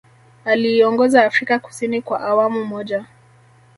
Aliiongoza Afrika Kusini kwa awamu moja